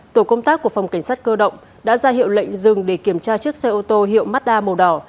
tổ công tác của phòng cảnh sát cơ động đã ra hiệu lệnh dừng để kiểm tra chiếc xe ô tô hiệu mazda màu đỏ